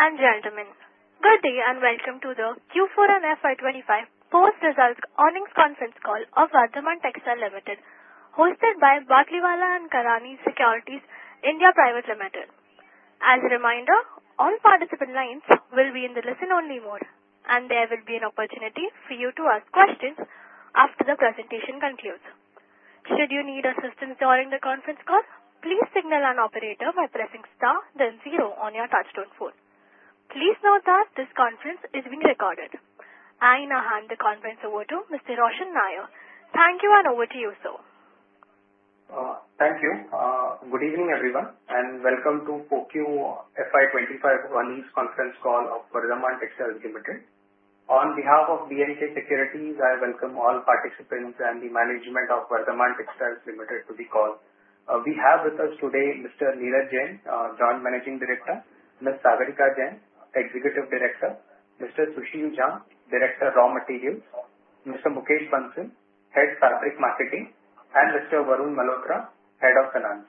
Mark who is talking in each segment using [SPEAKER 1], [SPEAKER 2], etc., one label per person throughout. [SPEAKER 1] Ladies and gentlemen, good day and welcome to the Q4 and FY25 Post Results Earnings Conference Call of Vardhman Textiles Limited, hosted by Batlivala & Karani Securities India Pvt. Ltd. As a reminder, all participant lines will be in the listen-only mode, and there will be an opportunity for you to ask questions after the presentation concludes. Should you need assistance during the conference call, please signal an operator by pressing star, then zero on your touchtone phone. Please note that this conference is being recorded. I now hand the conference over to Mr. Roshan Nair. Thank you, and over to you, sir.
[SPEAKER 2] Thank you. Good evening, everyone, and welcome to Q4 FY25 Earnings Conference Call of Vardhman Textiles Limited. On behalf of B&K Securities, I welcome all participants and the management of Vardhman Textiles Limited to the call. We have with us today Mr. Neeraj Jain, Joint Managing Director, Ms. Sagarika Jain, Executive Director, Mr. Sushil Jhamb, Director of Raw Materials, Mr. Mukesh Bansal, Head of Fabric Marketing, and Mr. Varun Malhotra, Head of Finance.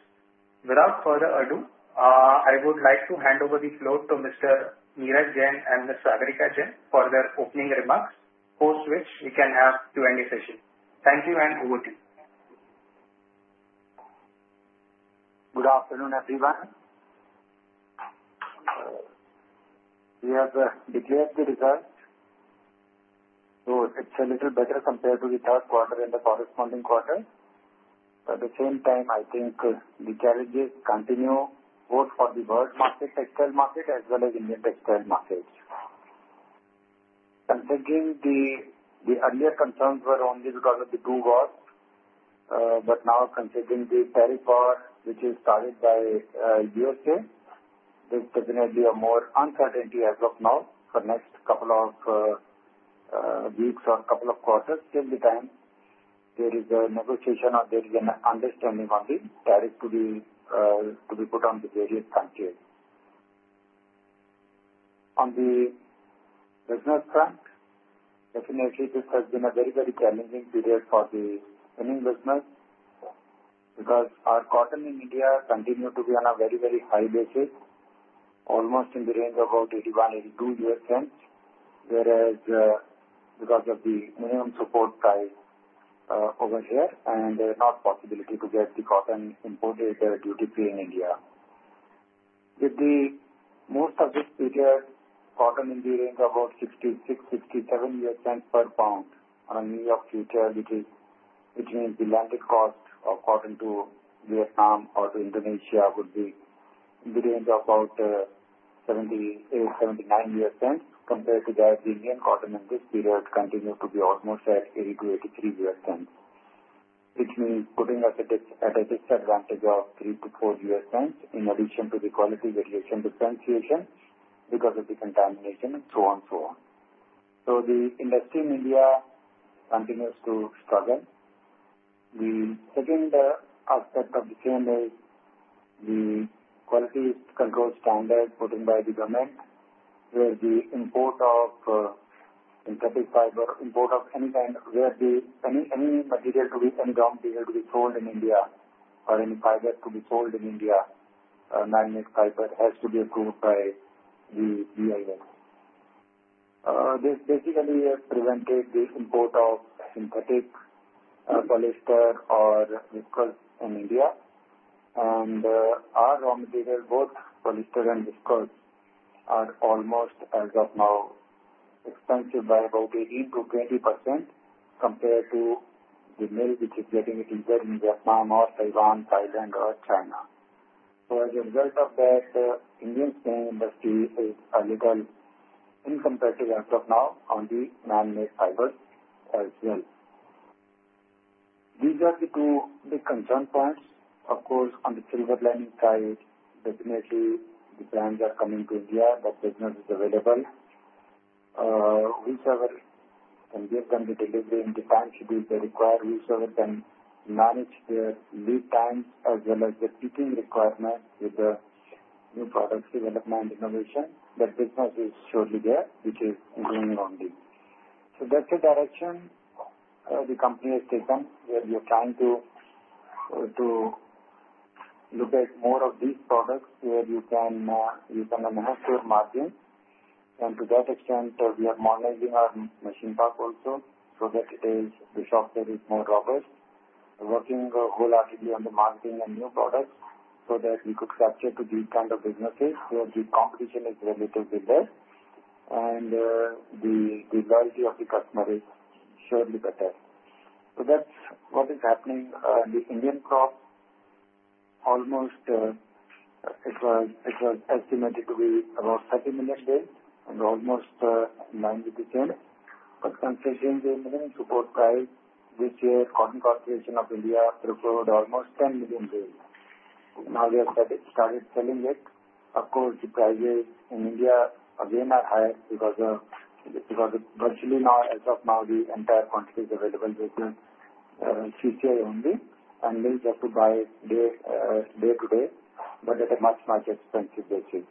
[SPEAKER 2] Without further ado, I would like to hand over the floor to Mr. Neeraj Jain and Ms. Sagarika Jain for their opening remarks, after which we can have a Q&A session. Thank you, and over to you.
[SPEAKER 3] Good afternoon, everyone. We have declared the results, so it's a little better compared to the third quarter and the corresponding quarter. At the same time, I think the challenges continue both for the world market, textile market, as well as Indian textile market. Considering the earlier concerns were only because of the two wars, but now considering the tariff war, which is started by the USA, there's definitely more uncertainty as of now for the next couple of weeks or couple of quarters. Till the time there is a negotiation or there is an understanding on the tariff to be put on the various countries. On the business front, definitely this has been a very, very challenging period for the spinning business because our cotton in India continued to be on a very, very high basis, almost in the range of about 81-82 U.S. cents, whereas because of the minimum support price over here and the inability to get the cotton imported duty-free in India. For most of this period, cotton in the range of about 66-67 U.S. cents per pound on a New York futures, which means the landed cost of cotton to Vietnam or to Indonesia would be in the range of about 78-79 US cents. Compared to that, the Indian cotton in this period continues to be almost at 82-83 U.S. cents, which means putting us at a disadvantage of 3-4 U.S. cents in addition to the quality variation differentiation because of the contamination and so on, so on. So the industry in India continues to struggle. The second aspect of the same is the quality control standard put in by the government, where the import of synthetic fiber, import of any kind, where any material to be any raw material to be sold in India or any fiber to be sold in India, man-made fiber, has to be approved by the BIS. This basically has prevented the import of synthetic polyester or viscose in India. Our raw material, both polyester and viscose, are almost, as of now, expensive by about 18%-20% compared to the mill which is getting it either in Vietnam or Taiwan, Thailand, or China. So as a result of that, the Indian spinning industry is a little uncompetitive as of now on the man-made fiber as well. These are the two big concern points. Of course, on the silver lining side, definitely the brands are coming to India, that business is available. Whichever can give them the delivery in the time schedule they require, whichever can manage their lead times as well as the sourcing requirements with the new product development innovation, that business is surely there, which is going on. So that's the direction the company has taken, where we are trying to look at more of these products where you can enhance your margin. To that extent, we are modernizing our machine park also so that the software is more robust, working wholeheartedly on the marketing and new products so that we could capture the lead kind of businesses where the competition is relatively less and the loyalty of the customer is surely better. So that's what is happening. The Indian crop, almost it was estimated to be about 30 million bales and almost 90%. But considering the minimum support price, this year cotton cultivation of India throughput almost 10 million bales. Now they have started selling it. Of course, the prices in India again are higher because virtually now, as of now, the entire quantity is available with CCI only, and mills have to buy day to day, but at a much, much expensive rate.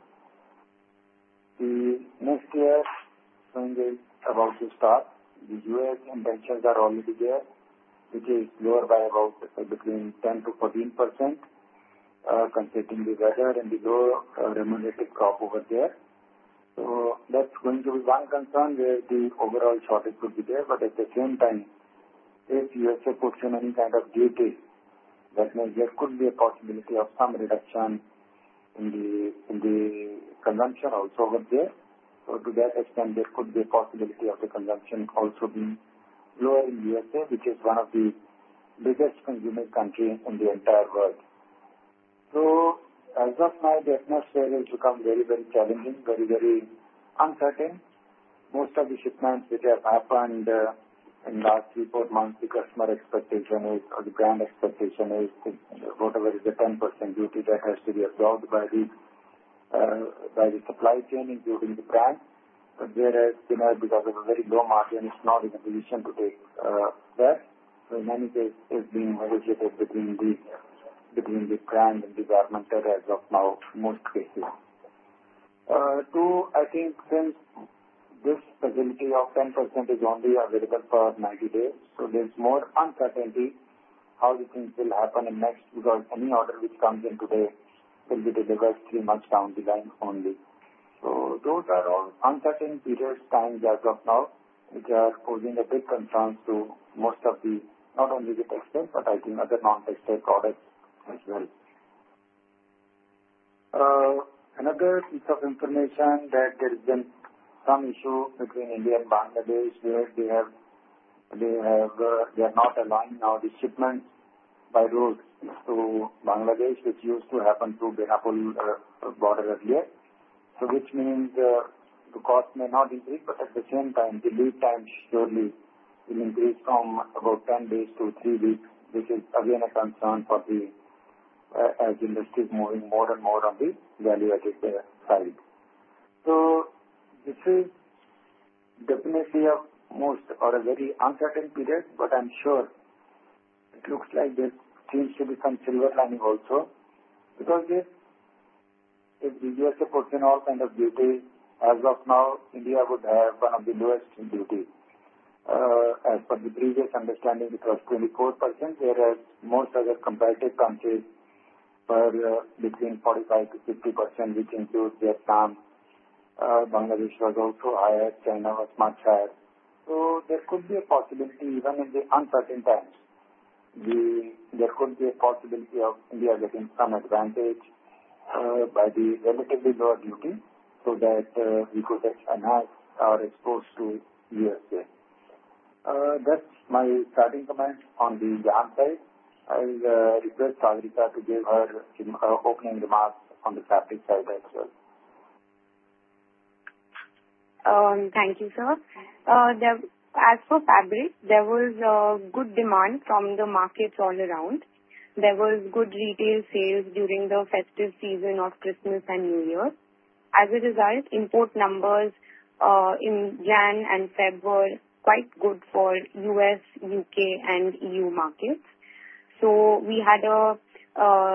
[SPEAKER 3] The next year thing is about to start. The U.S. intentions are already there, which is lower by about between 10%-14% considering the weather and the low remunerative crop over there. So that's going to be one concern where the overall shortage would be there. But at the same time, if USA puts in any kind of duty, that means there could be a possibility of some reduction in the consumption also over there. So to that extent, there could be a possibility of the consumption also being lower in USA, which is one of the biggest consuming countries in the entire world. So as of now, the atmosphere has become very, very challenging, very, very uncertain. Most of the shipments which have happened in the last three, four months, the customer expectation is, or the brand expectation is, whatever is the 10% duty that has to be absorbed by the supply chain, including the brand. But whereas spinners, because of a very low margin, is not in a position to take that. So in any case, it's being negotiated between the brand and the government as of now, most cases. Two, I think since this facility of 10% is only available for 90 days, so there's more uncertainty how the things will happen next because any order which comes in today will be delivered three months down the line only. So those are all uncertain period times as of now, which are posing a big concern to most of the, not only the textile, but I think other non-textile products as well. Another piece of information that there's been some issue between India and Bangladesh, where they are not allowing now the shipments by roads to Bangladesh, which used to happen through Benapole border earlier. So which means the cost may not increase, but at the same time, the lead time surely will increase from about 10 days to three weeks, which is again a concern for the yarn industry as it is moving more and more on the value-added side. So this is definitely a most or a very uncertain period, but I'm sure it looks like there seems to be some silver lining also because if the USA puts in all kind of duties, as of now, India would have one of the lowest in duty. As per the previous understanding, it was 24%, whereas most other comparative countries were between 45%-50%, which includes Vietnam. Bangladesh was also higher. China was much higher, so there could be a possibility, even in the uncertain times, there could be a possibility of India getting some advantage by the relatively lower duty so that we could enhance our exports to USA. That's my starting comment on the yarn side. I'll request Sagarika to give her opening remarks on the fabric side as well.
[SPEAKER 4] Thank you, sir. As for fabric, there was good demand from the markets all around. There was good retail sales during the festive season of Christmas and New Year. As a result, import numbers in January and February were quite good for U.S., U.K., and E.U. markets, so we had a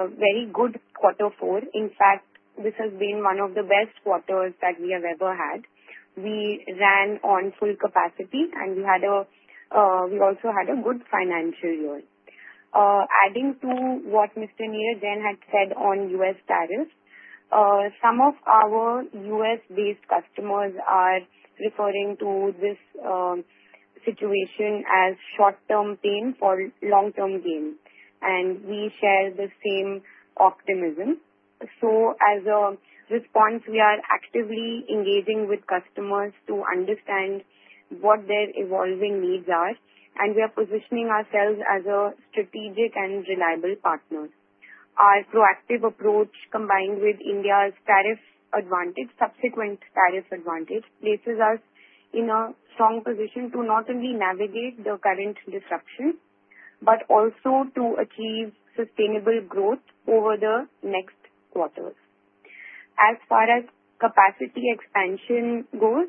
[SPEAKER 4] very good quarter four. In fact, this has been one of the best quarters that we have ever had. We ran on full capacity, and we also had a good financial year. Adding to what Mr. Neeraj Jain had said on U.S. tariffs, some of our U.S.-based customers are referring to this situation as short-term pain for long-term gain, and we share the same optimism, so as a response, we are actively engaging with customers to understand what their evolving needs are, and we are positioning ourselves as a strategic and reliable partner. Our proactive approach, combined with India's tariff advantage, subsequent tariff advantage, places us in a strong position to not only navigate the current disruption but also to achieve sustainable growth over the next quarters. As far as capacity expansion goes,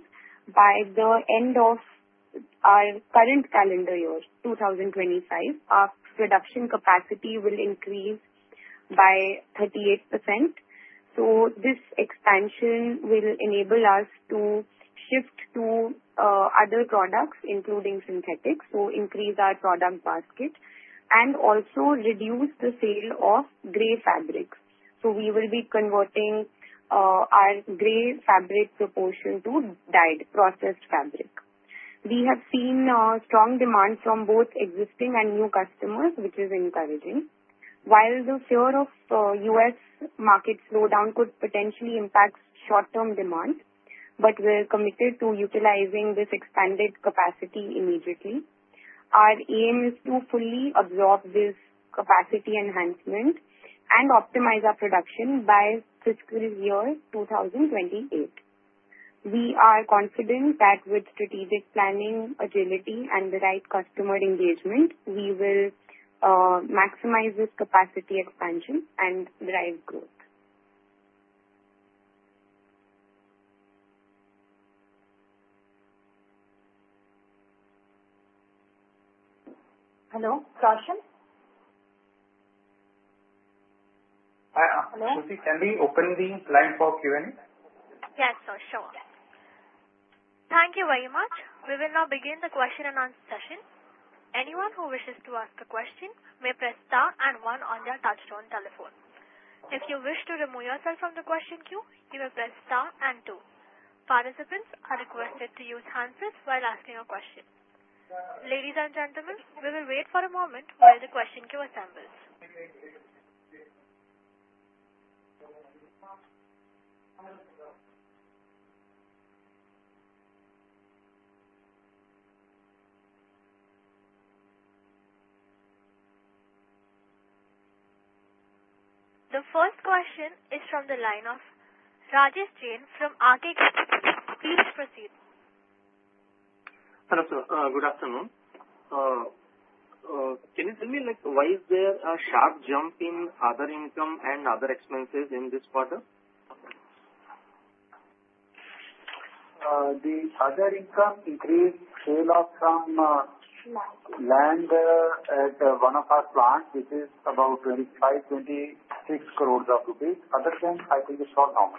[SPEAKER 4] by the end of our current calendar year, 2025, our production capacity will increase by 38%. So this expansion will enable us to shift to other products, including synthetics, to increase our product basket and also reduce the sale of gray fabrics. So we will be converting our gray fabric proportion to dyed, processed fabric. We have seen strong demand from both existing and new customers, which is encouraging. While the fear of U.S. market slowdown could potentially impact short-term demand, but we're committed to utilizing this expanded capacity immediately. Our aim is to fully absorb this capacity enhancement and optimize our production by fiscal year 2028. We are confident that with strategic planning, agility, and the right customer engagement, we will maximize this capacity expansion and drive growth. Hello. Hello? Sushil, can we open the line for Q&A?
[SPEAKER 1] Yes, sir. Sure. Thank you very much. We will now begin the question and answer session. Anyone who wishes to ask a question may press star and one on their touch-tone telephone. If you wish to remove yourself from the question queue, you may press star and two. Participants are requested to use hands-free while asking a question. Ladies and gentlemen, we will wait for a moment while the question queue assembles. The first question is from the line of Rajesh Jain from R.K. Please proceed.
[SPEAKER 5] Hello, sir. Good afternoon. Can you tell me why is there a sharp jump in other income and other expenses in this quarter?
[SPEAKER 3] The other income increased sale of some land at one of our plants, which is about 25-26 crore rupees. Other than that, I think it's all normal.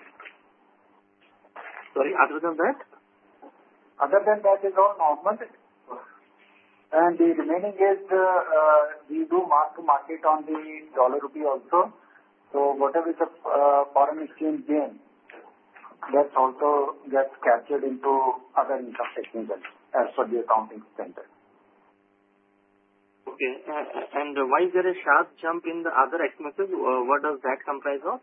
[SPEAKER 5] Sorry, other than that?
[SPEAKER 3] Other than that, it's all normal. And the remaining is we do Mark to Market on the dollar rupee also. So whatever is the foreign exchange gain, that also gets captured into other income, as per the accounting standard.
[SPEAKER 5] Okay. And why is there a sharp jump in the other expenses? What does that comprise of?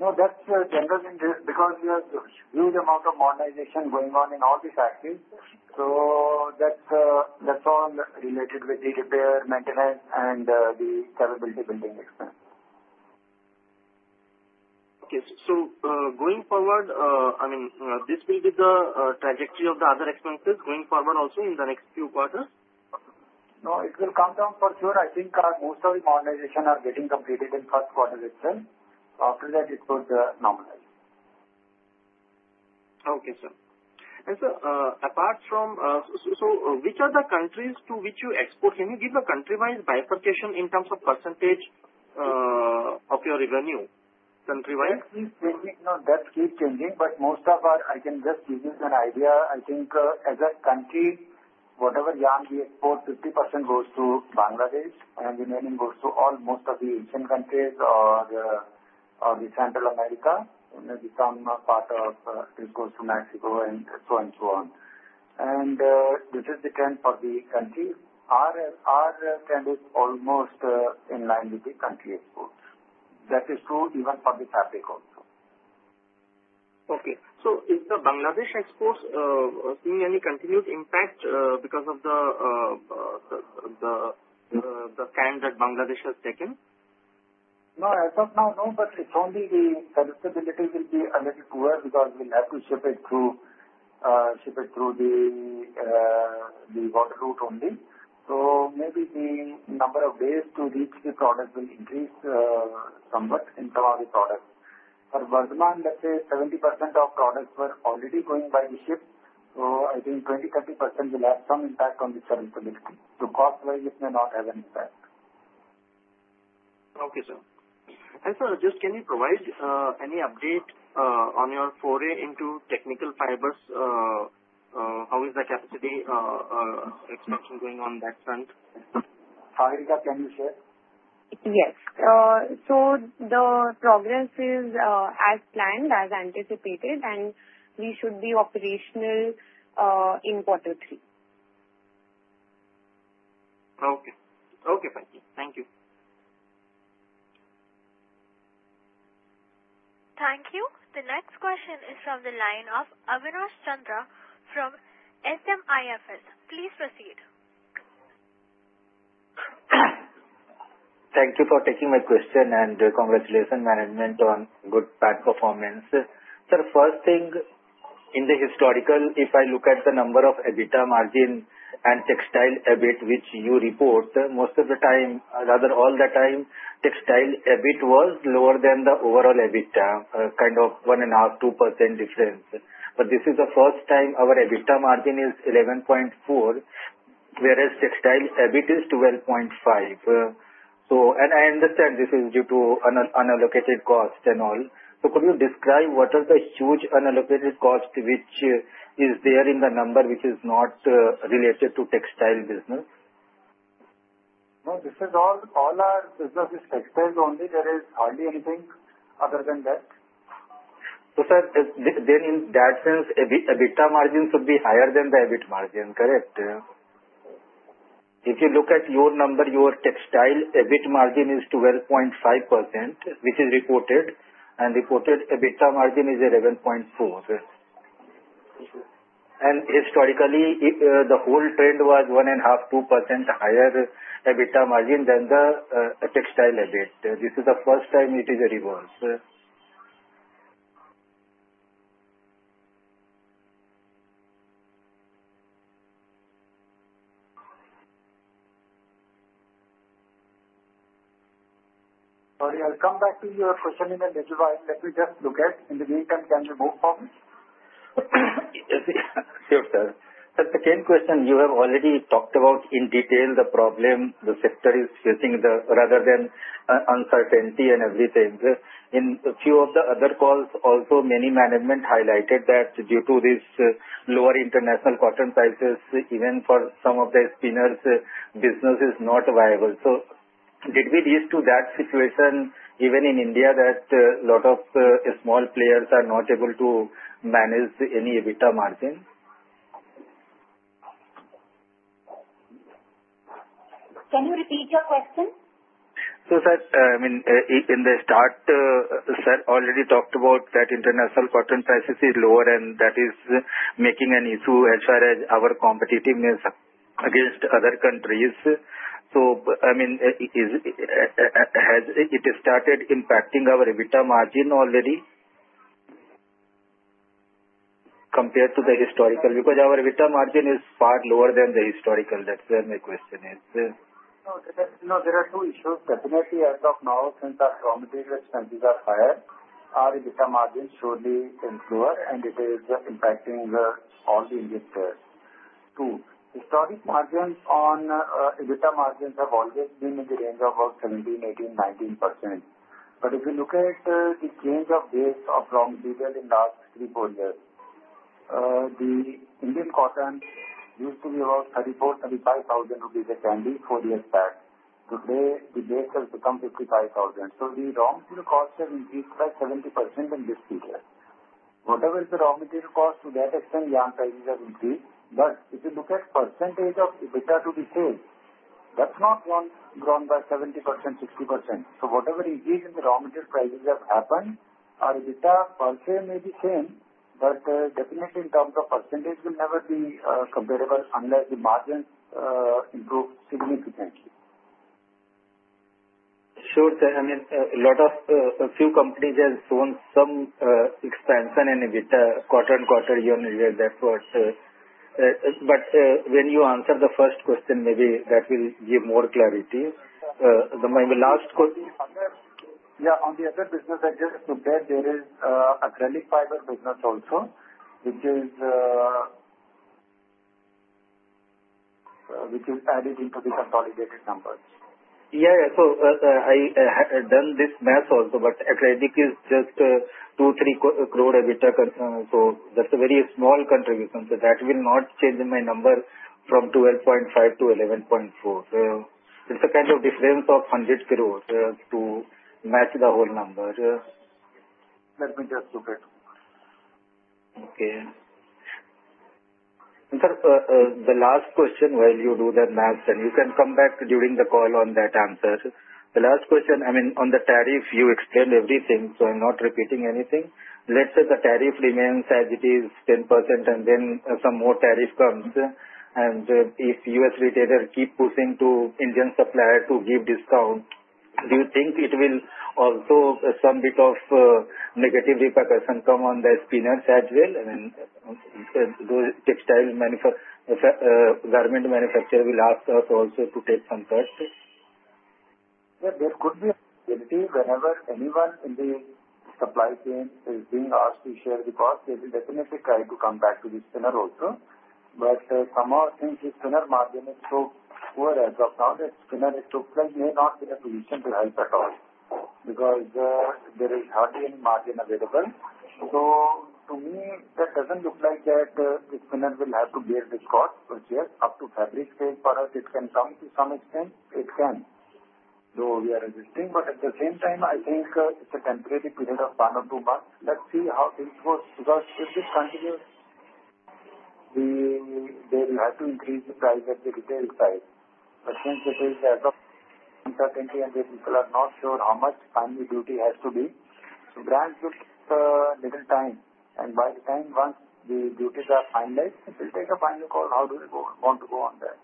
[SPEAKER 3] No, that's generally because we have a huge amount of modernization going on in all the factories. So that's all related with the repair, maintenance, and the capability building expense.
[SPEAKER 5] Okay. So going forward, I mean, this will be the trajectory of the other expenses going forward also in the next few quarters?
[SPEAKER 3] No, it will come down for sure. I think most of the modernization are getting completed in the first quarter itself. After that, it would normalize.
[SPEAKER 5] Okay, sir. And sir, apart from so which are the countries to which you export? Can you give a country-wide bifurcation in terms of percentage of your revenue country-wide?
[SPEAKER 3] That keeps changing, but most of our I can just give you an idea. I think as a country, whatever yarn we export, 50% goes to Bangladesh, and the remaining goes to almost all the Asian countries or Central America. Maybe some part of this goes to Mexico and so on and so on and this is the trend for the country. Our trend is almost in line with the country exports. That is true even for the fabric also.
[SPEAKER 5] Okay, so is the Bangladesh exports seeing any continued impact because of the stand that Bangladesh has taken?
[SPEAKER 3] No, as of now, no. But it's only the serviceability will be a little poor because we'll have to ship it through the water route only. So maybe the number of days to reach the product will increase somewhat in some of the products. For Vardhman, let's say 70% of products were already going by the ship. So I think 20%-30% will have some impact on the serviceability. So cost-wise, it may not have an impact.
[SPEAKER 5] Okay, sir. And sir, just can you provide any update on your foray into technical fibers? How is the capacity expansion going on that front?
[SPEAKER 3] Sagarika, can you share?
[SPEAKER 4] Yes, so the progress is as planned, as anticipated, and we should be operational in quarter three.
[SPEAKER 5] Okay. Okay, thank you. Thank you.
[SPEAKER 1] Thank you. The next question is from the line of Avinash Chandra from SMIFS. Please proceed.
[SPEAKER 6] Thank you for taking my question and congratulations management on good PAT performance. Sir, first thing, in the historical, if I look at the number of EBITDA margin and textile EBIT, which you report, most of the time, rather all the time, textile EBIT was lower than the overall EBITDA, kind of one and a half, two% difference. But this is the first time our EBITDA margin is 11.4%, whereas textile EBIT is 12.5%. And I understand this is due to unallocated cost and all. So could you describe what are the huge unallocated cost which is there in the number which is not related to textile business? No, this is all our business is textiles only. There is hardly anything other than that. Sir, then in that sense, EBITDA margin should be higher than the EBIT margin, correct? If you look at your number, your textile EBIT margin is 12.5%, which is reported, and reported EBITDA margin is 11.4%. And historically, the whole trend was 1.5%-2% higher EBITDA margin than the textile EBIT. This is the first time it is a reverse. Sorry, I'll come back to your question in a little while. Let me just look at. In the meantime, can you move forward? Sure, sir. Sir, the same question you have already talked about in detail, the problem the sector is facing rather than uncertainty and everything. In a few of the other calls, also many management highlighted that due to these lower international cotton prices, even for some of the spinners, business is not viable. So did we reach to that situation even in India that a lot of small players are not able to manage any EBITDA margin? Can you repeat your question? So, sir, I mean, in the start, sir already talked about that international cotton prices is lower, and that is making an issue as far as our competitiveness against other countries. So, I mean, has it started impacting our EBITDA margin already compared to the historical? Because our EBITDA margin is far lower than the historical. That's where my question is.
[SPEAKER 3] No, there are two issues. Definitely, as of now, since our commodity expenses are higher, our EBITDA margin surely is lower, and it is impacting all the industry. Two. Historic margins on EBITDA margins have always been in the range of about 17, 18, 19%. But if you look at the change of base of yarn cost in the last three or four years, the Indian cotton used to be about 34,000-35,000 rupees a candy four years back. Today, the base has become 55,000. So the yarn cost has increased by 70% in this period. Whatever is the yarn cost, to that extent, yarn prices have increased. But if you look at percentage of EBITDA to net sales, that's not grown by 70%, 60%. So whatever increase in the raw cotton prices has happened, our EBITDA per se may be same, but definitely in terms of percentage, it will never be comparable unless the margins improve significantly.
[SPEAKER 6] Sure, sir. I mean, a lot of few companies have shown some expansion in EBITDA quarter and quarter year in that part. But when you answer the first question, maybe that will give more clarity. The last question.
[SPEAKER 3] Yeah. On the other business, I just looked at there is acrylic fiber business also, which is added into the consolidated numbers. Yeah, yeah. So I had done this math also, but acrylic is just 2-3 crore EBITDA. So that's a very small contribution. So that will not change my number from 12.5-11.4. It's a kind of difference of 100 crores to match the whole number. Let me just look at. Okay. And sir, the last question while you do that math, and you can come back during the call on that answer. The last question, I mean, on the tariff, you explained everything, so I'm not repeating anything. Let's say the tariff remains as it is, 10%, and then some more tariff comes. And if U.S. retailer keep pushing to Indian supplier to give discount, do you think it will also some bit of negative repercussion come on the spinners as well? I mean, those textile garment manufacturer will ask us also to take some cuts. There could be a possibility whenever anyone in the supply chain is being asked to share the cost, they will definitely try to come back to the spinner also. But some of the things the spinner margin is so poor as of now that spinner may not be in a position to help at all because there is hardly any margin available. So to me, that doesn't look like that the spinner will have to bear this cost. But yes, up to fabric sales product, it can come to some extent. It can. So we are resisting. But at the same time, I think it's a temporary period of one or two months. Let's see how things go because if this continues, they will have to increase the price at the retail side. But since it is a sea of uncertainty and the people are not sure how much final duty has to be, so transit will take a little time. And by the time once the duties are finalized, it will take a final call how do we want to go on that.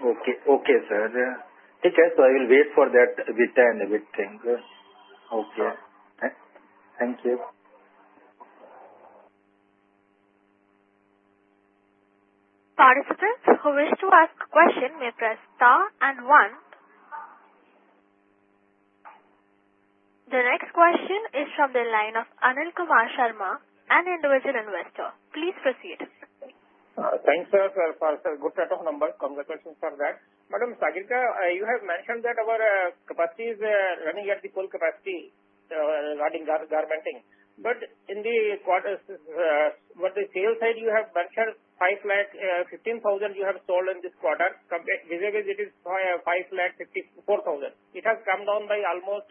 [SPEAKER 6] Okay, sir. Okay, sir. I will wait for that EBITDA and EBIT thing. Okay.
[SPEAKER 3] Yeah.
[SPEAKER 6] Thank you.
[SPEAKER 1] Participants who wish to ask a question may press star and one. The next question is from the line of Anil Kumar Sharma, an individual investor. Please proceed.
[SPEAKER 7] Thanks, sir. For a good set of numbers, congratulations for that. Madam Sagarika, you have mentioned that our capacity is running at the full capacity regarding garments. But in the quarters, what the sales side you have mentioned, 515,000 you have sold in this quarter vis-à-vis it is 554,000. It has come down by almost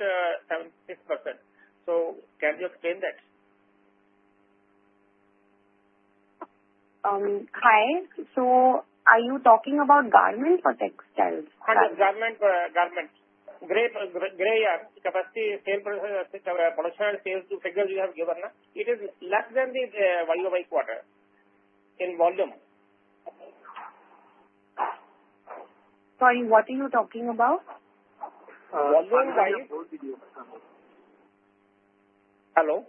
[SPEAKER 7] 76%. So can you explain that?
[SPEAKER 4] Hi. So are you talking about garment or textiles?
[SPEAKER 7] I mean garment. Gray yarn capacity sales products you have given, it is less than the YoY quarter in volume.
[SPEAKER 4] Sorry, what are you talking about?
[SPEAKER 7] Volume by? Hello?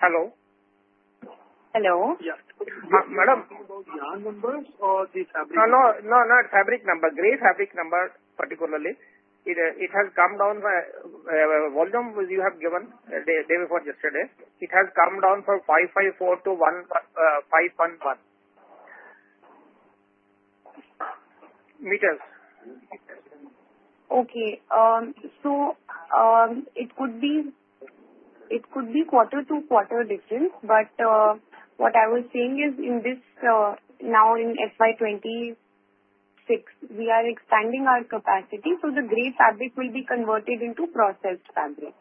[SPEAKER 7] Hello?
[SPEAKER 4] Hello?
[SPEAKER 7] Yes. Madam.
[SPEAKER 3] Is it about yarn numbers or the fabric?
[SPEAKER 7] No, not fabric number. Gray Fabric number particularly. It has come down volume you have given day before yesterday. It has come down from 554 to 511 meters.
[SPEAKER 4] Okay. So it could be quarter to quarter difference. But what I was saying is, in this now in FY26, we are expanding our capacity. So the gray fabric will be converted into processed fabric.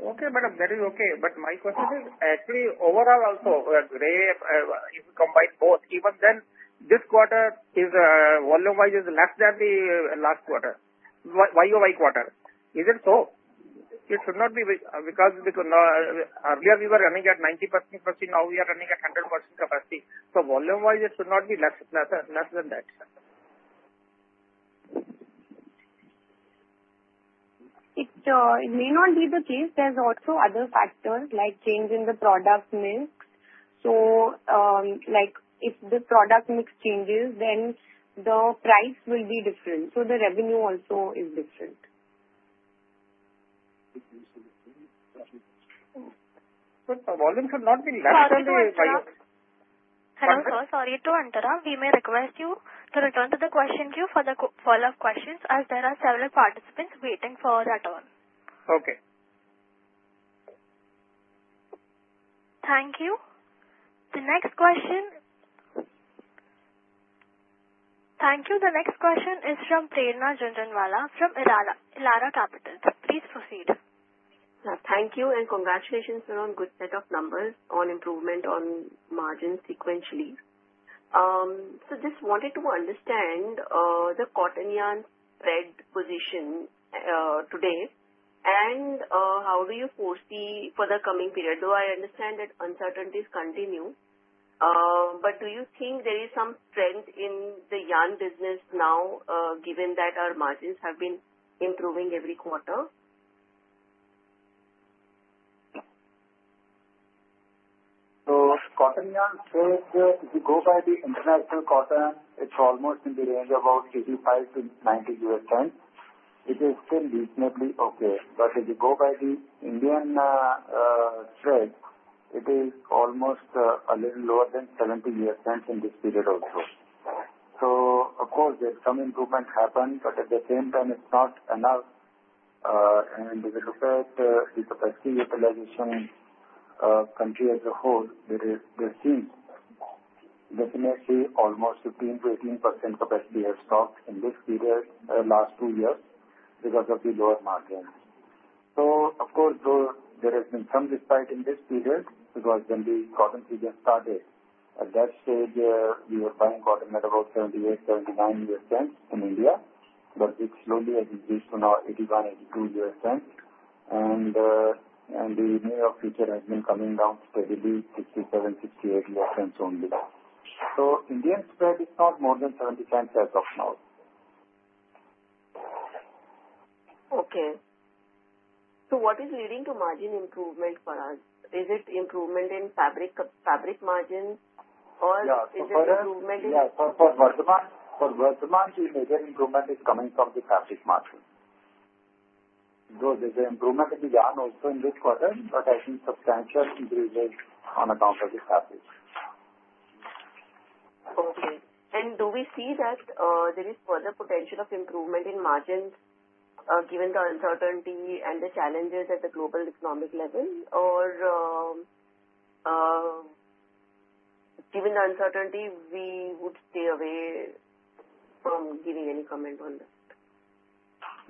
[SPEAKER 7] Okay, madam. Very okay. But my question is actually overall also, if we combine both, even then this quarter is volume-wise less than the last quarter, YoY quarter. Is it so? It should not be because earlier we were running at 90% capacity. Now we are running at 100% capacity. So volume-wise, it should not be less than that.
[SPEAKER 4] It may not be the case. There's also other factors like change in the product mix. So if the product mix changes, then the price will be different. So the revenue also is different.
[SPEAKER 7] But the volume should not be less than the YOI.
[SPEAKER 4] Hello, sir. Sorry to interrupt. We may request you to return to the question queue for the follow-up questions as there are several participants waiting for a turn.
[SPEAKER 7] Okay.
[SPEAKER 1] Thank you. The next question. Thank you. The next question is from Prerna Jhunjhunwala from Elara Capital. Please proceed.
[SPEAKER 8] Thank you and congratulations on a good set of numbers on improvement on margin sequentially. So just wanted to understand the cotton yarn spread position today and how do you foresee for the coming period? Though I understand that uncertainties continue, but do you think there is some trend in the yarn business now given that our margins have been improving every quarter?
[SPEAKER 3] So cotton yarn trade, if you go by the international cotton, it's almost in the range of about 85-90 U.S. cents, which is still reasonably okay. But if you go by the Indian trade, it is almost a little lower than 70 U.S. cents in this period also. So of course, there's some improvement happened, but at the same time, it's not enough. And if you look at the capacity utilization in country as a whole, there seems definitely almost 15%-18% capacity has stopped in this period last two years because of the lower margins. So of course, though there has been some respite in this period because when the cotton season started, at that stage, we were buying cotton at about 78-79 U.S. cents in India. But it slowly has increased to now 81-82 U.S. cents. The NY future has been coming down steadily, $0.67-$0.68 U.S. cents only. Indian spread is not more than $0.70 as of now.
[SPEAKER 8] Okay. So what is leading to margin improvement for us? Is it improvement in fabric margin or is it improvement in?
[SPEAKER 3] Yeah. For Vardhman, for Vardhman, the major improvement is coming from the fabric margin. Though there's an improvement in the yarn also in this quarter, but I think substantial increases on account of the fabric.
[SPEAKER 8] Okay. And do we see that there is further potential of improvement in margins given the uncertainty and the challenges at the global economic level? Or given the uncertainty, we would stay away from giving any comment on that?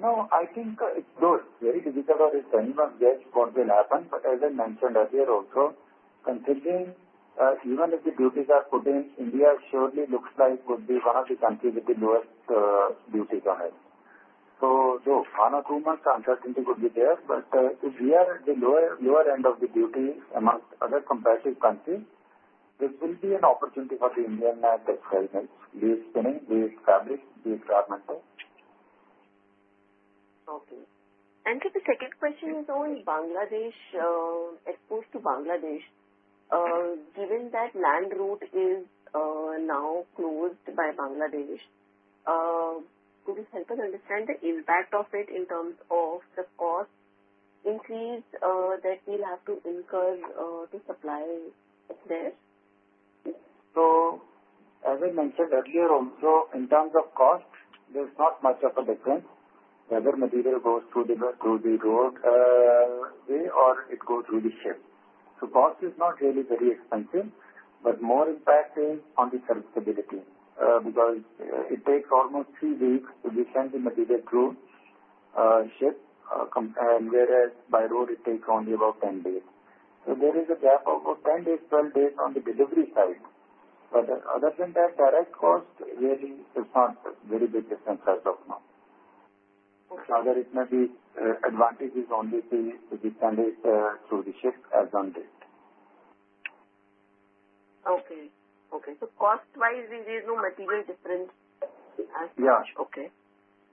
[SPEAKER 3] No, I think it's good. Very difficult to say anyone guess what will happen. But as I mentioned earlier also, considering even if the duties are put in, India surely looks like would be one of the countries with the lowest duties on it. So though one or two months uncertainty would be there, but if we are at the lower end of the duties amongst other competitive countries, there will be an opportunity for the Indian textile industry, be it spinning, be it fabric, be it garmenting.
[SPEAKER 8] Okay. The second question is on Bangladesh exposure to Bangladesh. Given that land route is now closed by Bangladesh, could you help us understand the impact of it in terms of the cost increase that we'll have to incur to supply there?
[SPEAKER 3] So as I mentioned earlier also, in terms of cost, there's not much of a difference whether material goes through the roadway or it goes through the ship. So cost is not really very expensive, but more impacting on the serviceability because it takes almost three weeks to send the material through ship, whereas by road, it takes only about 10 days. So there is a gap of about 10 days, 12 days on the delivery side. But other than that, direct cost really is not very big difference as of now. Rather, it may be advantageous only to send it through the ship as on date.
[SPEAKER 8] Okay. So cost-wise, there is no material difference as such.
[SPEAKER 3] Yeah.
[SPEAKER 8] Okay.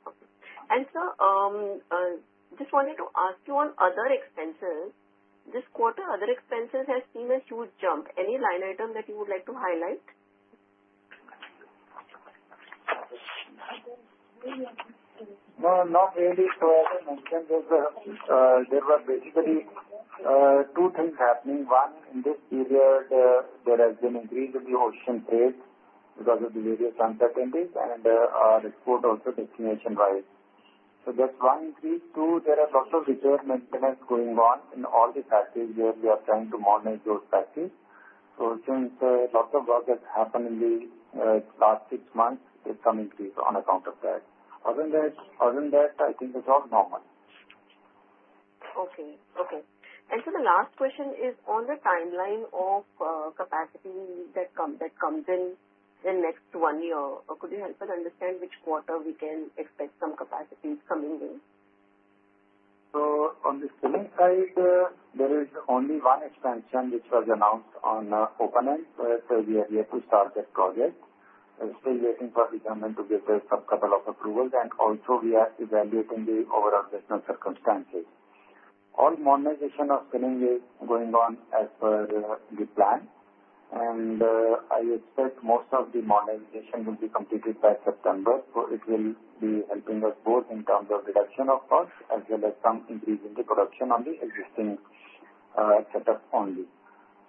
[SPEAKER 8] Okay, and sir, just wanted to ask you on other expenses. This quarter, other expenses has seen a huge jump. Any line item that you would like to highlight?
[SPEAKER 3] No, not really. So as I mentioned, there were basically two things happening. One, in this period, there has been increase in the ocean trade because of the various uncertainties and export also destination-wise. So that's one increase. Two, there are lots of repair maintenance going on in all the factories where we are trying to monitor those factories. So since lots of work has happened in the last six months, there's some increase on account of that. Other than that, I think it's all normal.
[SPEAKER 8] Okay. Okay. And so the last question is on the timeline of capacity that comes in the next one year. Could you help us understand which quarter we can expect some capacity coming in?
[SPEAKER 3] On the spinning side, there is only one expansion which was announced on Open End where we are yet to start that project. We're still waiting for the government to give us some couple of approvals. And also, we are evaluating the overall business circumstances. All modernization of spinning is going on as per the plan. And I expect most of the modernization will be completed by September. So it will be helping us both in terms of reduction of cost as well as some increase in the production on the existing setup only.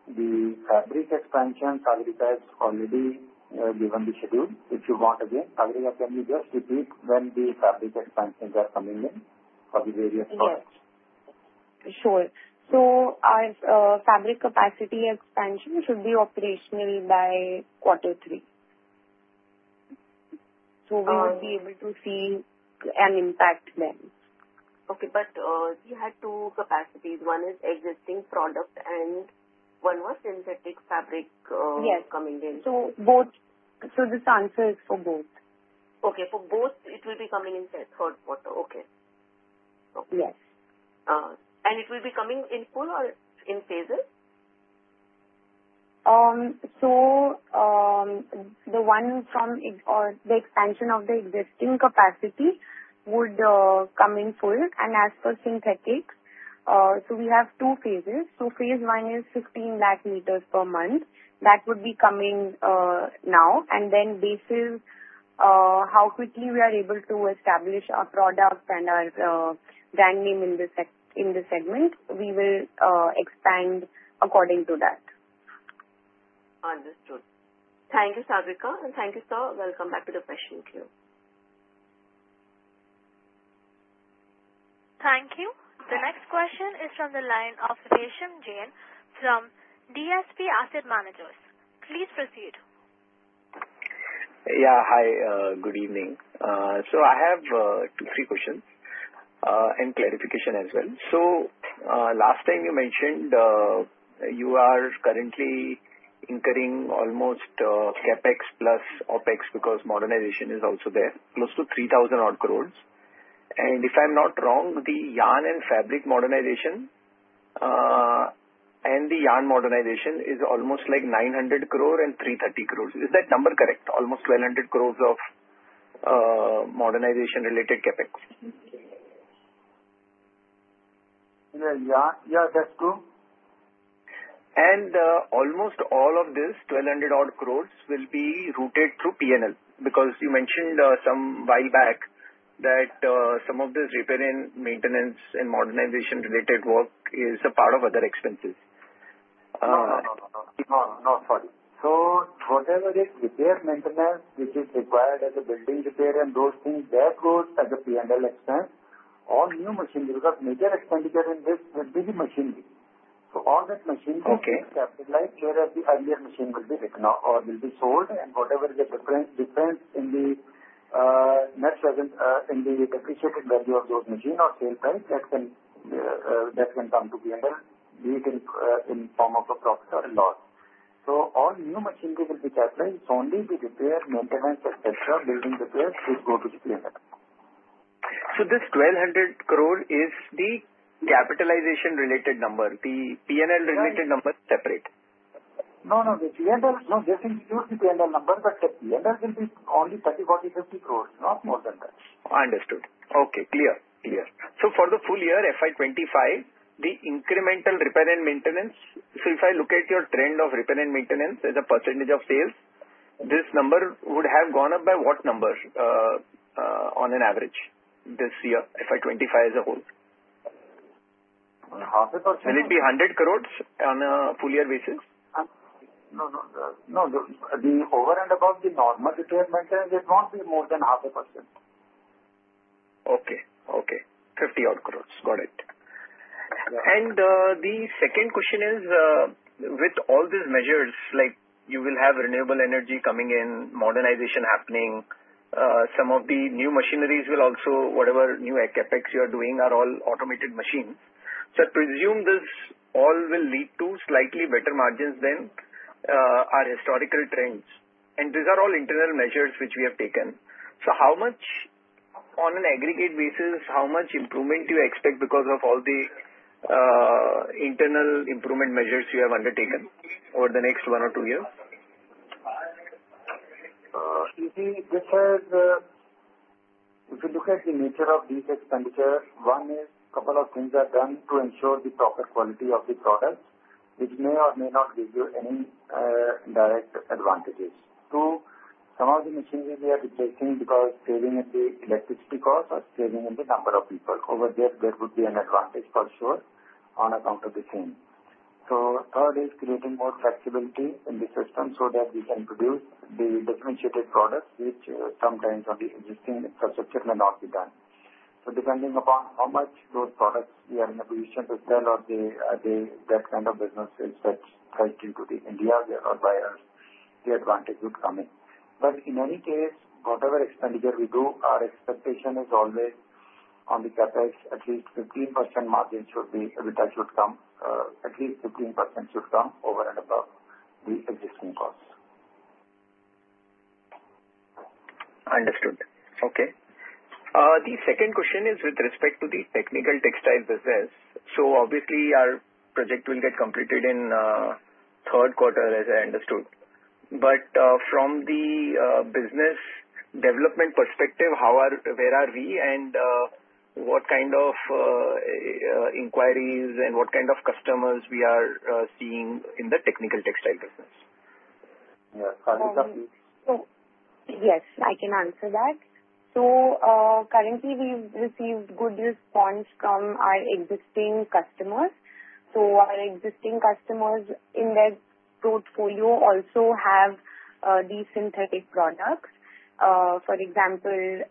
[SPEAKER 3] The fabric expansion, Sagarika has already given the schedule. If you want again, Sagarika, can you just repeat when the fabric expansions are coming in for the various products?
[SPEAKER 4] Yes. Sure. So fabric capacity expansion should be operational by quarter three. So we will be able to see an impact then.
[SPEAKER 8] Okay. But we had two capacities. One is existing product and one was synthetic fabric coming in.
[SPEAKER 4] So this answer is for both.
[SPEAKER 8] Okay. For both, it will be coming in third quarter. Okay. Okay.
[SPEAKER 4] Yes.
[SPEAKER 8] And it will be coming in full or in phases?
[SPEAKER 4] So the one from the expansion of the existing capacity would come in full. And as for synthetics, so we have two phases. So phase I is 15 lakh meters per month. That would be coming now. And then based on how quickly we are able to establish our product and our brand name in the segment, we will expand according to that.
[SPEAKER 8] Understood. Thank you, Sagarika. And thank you, sir. Welcome back to the question queue.
[SPEAKER 1] Thank you. The next question is from the line of Resham Jain from DSP Asset Managers. Please proceed.
[SPEAKER 9] Yeah. Hi. Good evening. So I have two or three questions and clarification as well. So last time you mentioned you are currently incurring almost CapEx plus OpEx because modernization is also there, close to 3,000-odd crore. And if I'm not wrong, the yarn and fabric modernization and the yarn modernization is almost like 900 crore and 330 crores. Is that number correct? Almost 1,200 crore of modernization-related CapEx.
[SPEAKER 3] Yeah. Yeah. That's true.
[SPEAKER 9] Almost all of this 1,200-odd crore will be routed through P&L because you mentioned some while back that some of this repair and maintenance and modernization-related work is a part of other expenses.
[SPEAKER 3] No, no, no, no. No, sorry. Whatever is repair maintenance, which is required as a building repair and those things, that goes as a P&L expense. All new machinery because major expenditure in this will be the machinery. All that machinery will be capitalized whereas the earlier machine will be taken out or will be sold. Whatever the difference in the depreciated value of those machines or sale price, that can come to P&L, be it in the form of a profit or a loss. All new machinery will be capitalized. It's only the repair, maintenance, etc., building repairs which go to the P&L.
[SPEAKER 9] So this 1,200 crore is the capitalization-related number, the P&L-related number separate?
[SPEAKER 3] No, no. No, just include the P&L number. But the P&L will be only 30, 40, 50 crores, not more than that.
[SPEAKER 9] Understood. Okay. Clear. Clear. So for the full year, FY25, the incremental repair and maintenance, so if I look at your trend of repair and maintenance as a percentage of sales, this number would have gone up by what number on an average this year, FY25 as a whole?
[SPEAKER 3] 0.5%.
[SPEAKER 9] Will it be 100 crores on a full-year basis?
[SPEAKER 3] No, no. No, the over and above the normal repair and maintenance, it won't be more than 0.5%.
[SPEAKER 9] Okay. Okay. 50 odd crores. Got it. And the second question is, with all these measures, you will have renewable energy coming in, modernization happening. Some of the new machineries will also, whatever new CAPEX you are doing, are all automated machines. So I presume this all will lead to slightly better margins than our historical trends. And these are all internal measures which we have taken. So on an aggregate basis, how much improvement do you expect because of all the internal improvement measures you have undertaken over the next one or two years?
[SPEAKER 3] You see, if you look at the nature of these expenditures, one is a couple of things are done to ensure the proper quality of the product, which may or may not give you any direct advantages. Two, some of the machinery we are replacing because saving in the electricity cost or saving in the number of people. Over there, there would be an advantage for sure on account of the same. So third is creating more flexibility in the system so that we can produce the differentiated products, which sometimes on the existing infrastructure may not be done. So depending upon how much those products we are in a position to sell or that kind of business is priced into the India or by us, the advantage would come. But in any case, whatever expenditure we do, our expectation is always on the CAPEX, at least 15% margin should be with that, should come at least 15% over and above the existing cost.
[SPEAKER 9] Understood. Okay. The second question is with respect to the technical textile business. So obviously, our project will get completed in third quarter, as I understood. But from the business development perspective, where are we and what kind of inquiries and what kind of customers we are seeing in the technical textile business?
[SPEAKER 3] Yeah. Sagarika, please.
[SPEAKER 4] Yes. I can answer that. So currently, we've received good response from our existing customers. So our existing customers in their portfolio also have the synthetic products. For example,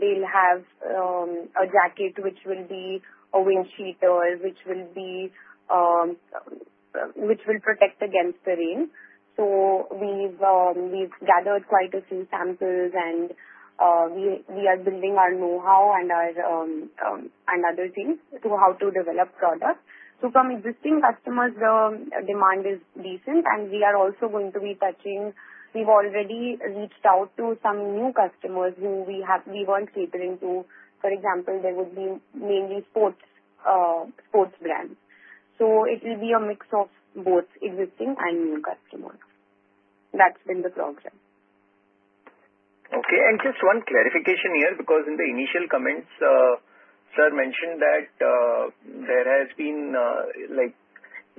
[SPEAKER 4] they'll have a jacket which will be a windcheater or which will protect against the rain. So we've gathered quite a few samples, and we are building our know-how and other things to how to develop products. So from existing customers, the demand is decent, and we are also going to be touching. We've already reached out to some new customers who we weren't catering to. For example, there would be mainly sports brands. So it will be a mix of both existing and new customers. That's been the progress.
[SPEAKER 9] Okay. And just one clarification here because in the initial comments, sir mentioned that there has been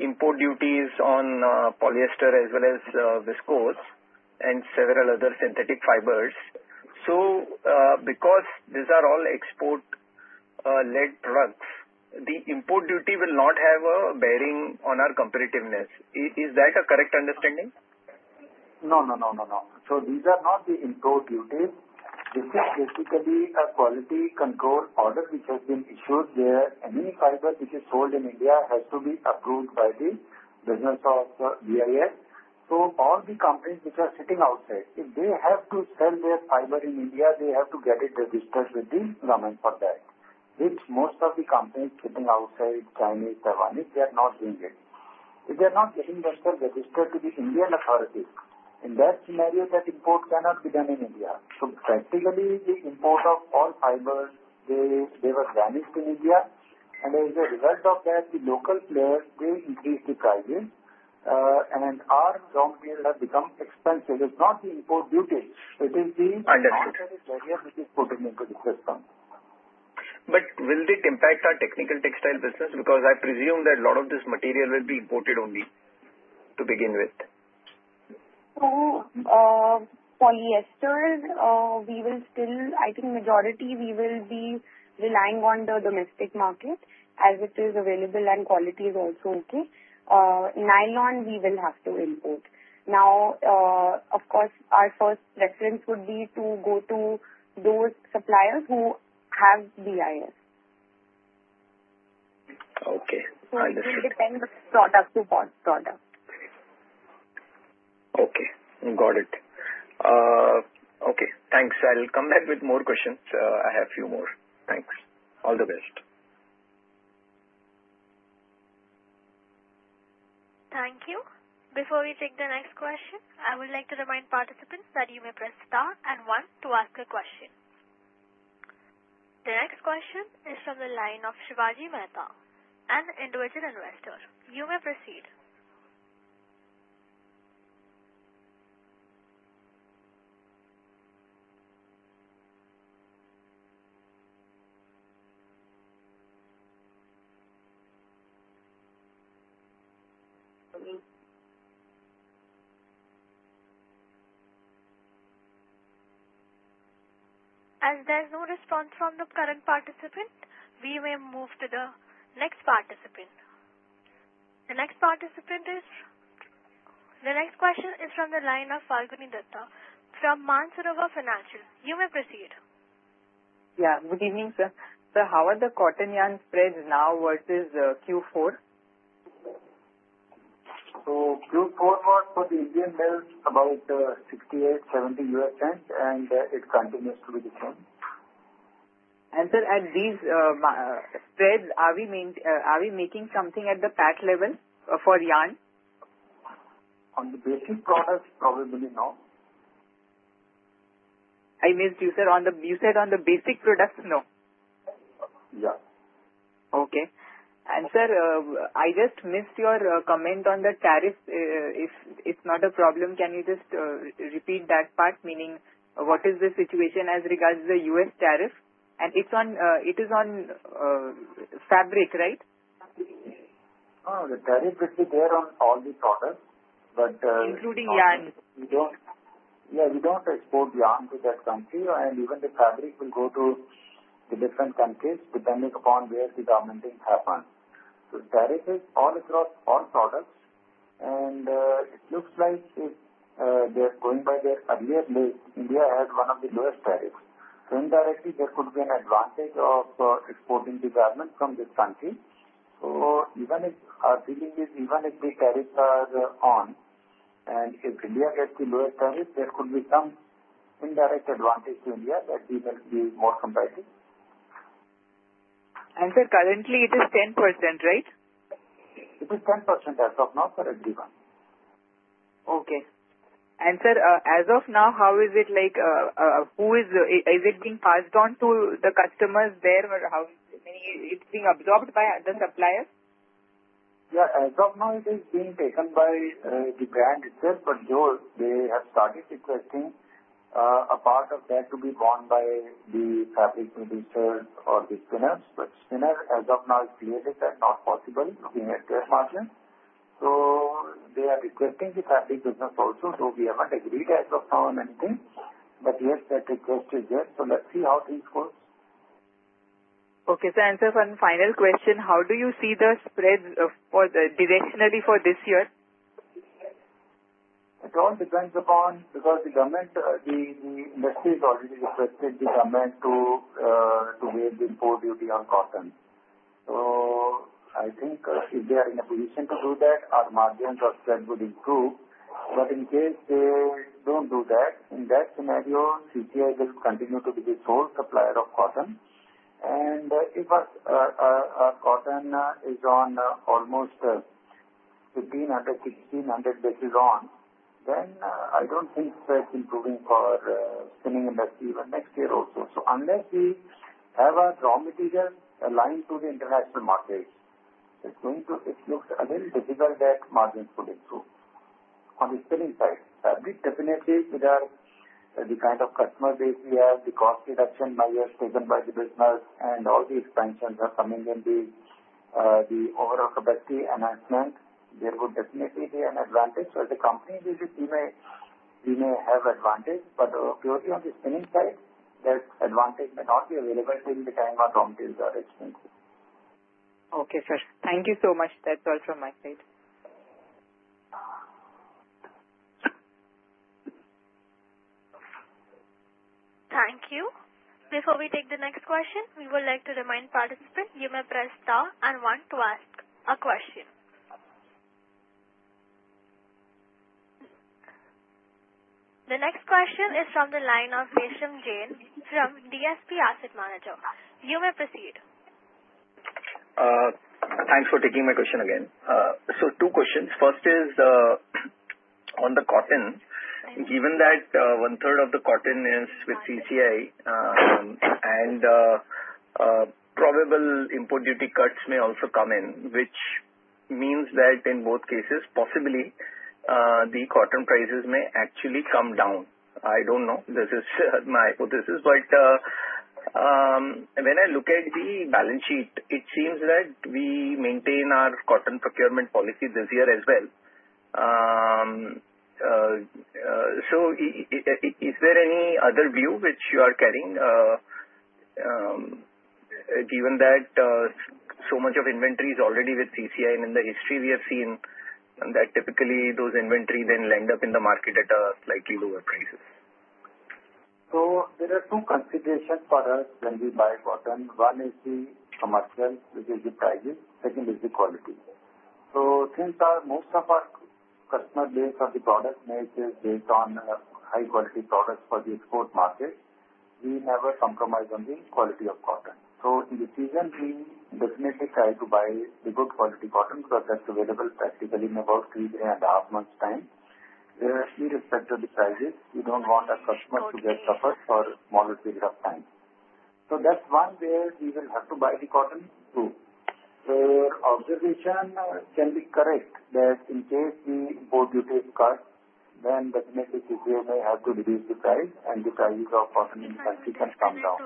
[SPEAKER 9] import duties on polyester as well as viscose and several other synthetic fibers. So because these are all export-led products, the import duty will not have a bearing on our competitiveness. Is that a correct understanding?
[SPEAKER 3] No, no, no, no, no. So these are not the import duties. This is basically a Quality Control Order which has been issued where any fiber which is sold in India has to be approved by the Bureau of BIS. So all the companies which are sitting outside, if they have to sell their fiber in India, they have to get it registered with the government for that. Which most of the companies sitting outside, Chinese, Taiwanese, they are not doing it. If they are not getting themselves registered to the Indian authorities, in that scenario, that import cannot be done in India. So practically, the import of all fibers, they were banned in India. And as a result of that, the local players, they increased the prices, and our raw material has become expensive. It's not the import duties. It is the outside barrier which is put into the system.
[SPEAKER 9] But will it impact our technical textile business? Because I presume that a lot of this material will be imported only to begin with.
[SPEAKER 4] Polyester, we will still, I think majority, we will be relying on the domestic market as it is available and quality is also okay. Nylon, we will have to import. Now, of course, our first preference would be to go to those suppliers who have BIS.
[SPEAKER 9] Okay. Understood.
[SPEAKER 4] It will depend on product to product.
[SPEAKER 9] Okay. Got it. Okay. Thanks. I'll come back with more questions. I have a few more. Thanks. All the best.
[SPEAKER 1] Thank you. Before we take the next question, I would like to remind participants that you may press star and one to ask a question. The next question is from the line of Shivaji Mehta, an individual investor. You may proceed. As there is no response from the current participant, we may move to the next participant. The next question is from the line of Phalguni Dutta from Mansarovar Financial. You may proceed.
[SPEAKER 10] Yeah. Good evening, sir. Sir, how are the cotton yarn spreads now versus Q4?
[SPEAKER 3] Q4 was for the Indian mills about $0.68-$0.70, and it continues to be the same.
[SPEAKER 10] Sir, at these spreads, are we making something at the PAT level for yarn?
[SPEAKER 3] On the basic products, probably no.
[SPEAKER 10] I missed you, sir. You said on the basic products, no?
[SPEAKER 3] Yeah.
[SPEAKER 10] Okay and sir, I just missed your comment on the tariff. If it's not a problem, can you just repeat that part, meaning what is the situation as regards to the U.S. tariff, and it is on fabric, right?
[SPEAKER 3] Oh, the tariff will be there on all the products, but.
[SPEAKER 10] Including yarn.
[SPEAKER 3] Yeah. We don't export yarn to that country, and even the fabric will go to the different countries depending upon where the garmenting happens. So the tariff is all across all products, and it looks like if they're going by their earlier list, India has one of the lowest tariffs. So indirectly, there could be an advantage of exporting garments from this country. So even if our dealing is, if the tariffs are on, and if India gets the lowest tariff, there could be some indirect advantage to India that we will be more competitive.
[SPEAKER 10] Sir, currently, it is 10%, right?
[SPEAKER 3] It is 10% as of now for everyone.
[SPEAKER 10] Okay. And sir, as of now, how is it like? Is it being passed on to the customers there? It's being absorbed by the suppliers?
[SPEAKER 3] Yeah. As of now, it is being taken by the brand itself, but they have started requesting a part of that to be borne by the fabric producers or the spinners. But spinner, as of now, is clearly not possible. We have margins. So they are requesting the fabric business also, though we haven't agreed as of now on anything. But yes, that request is there. So let's see how things go.
[SPEAKER 10] Okay. So answer one final question. How do you see the spreads directionally for this year?
[SPEAKER 3] It all depends upon because the government, the industry has already requested the government to waive the import duty on cotton. So I think if they are in a position to do that, our margins of spread would improve. But in case they don't do that, in that scenario, CCI will continue to be the sole supplier of cotton. And if our cotton is on almost 1,500, 1,600 basis points on, then I don't think spreads improving for the spinning industry even next year also. So unless we have our raw material aligned to the international market, it looks a little difficult that margins would improve. On the spinning side, fabric definitely with the kind of customer base we have, the cost reduction measures taken by the business, and all the expansions are coming in the overall capacity enhancement, there would definitely be an advantage. As a company, we may have advantage, but purely on the spinning side, that advantage may not be available during the time our raw materials are expensive.
[SPEAKER 10] Okay, sir. Thank you so much. That's all from my side.
[SPEAKER 1] Thank you. Before we take the next question, we would like to remind participants you may press star and one to ask a question. The next question is from the line of Resham Jain from DSP Asset Managers. You may proceed.
[SPEAKER 9] Thanks for taking my question again. So two questions. First is on the cotton, given that one-third of the cotton is with CCI, and probable import duty cuts may also come in, which means that in both cases, possibly the cotton prices may actually come down. I don't know. This is my hypothesis. But when I look at the balance sheet, it seems that we maintain our cotton procurement policy this year as well. So is there any other view which you are carrying, given that so much of inventory is already with CCI? And in the history, we have seen that typically those inventory then land up in the market at slightly lower prices.
[SPEAKER 3] There are two considerations for us when we buy cotton. One is the commercial, which is the pricing. Second is the quality. Since most of our customer base or the product base is based on high-quality products for the export market, we never compromise on the quality of cotton. In the season, we definitely try to buy the good quality cotton because that's available practically in about three and a half months' time. We respect the prices. We don't want our customers to get suffered for a smaller period of time. That's one where we will have to buy the cotton too. Our observation can be correct that in case the import duties cut, then definitely CCI may have to reduce the price, and the prices of cotton in the country can come down.